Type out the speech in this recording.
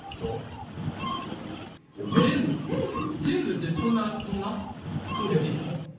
全部でこんなクオリティーなの？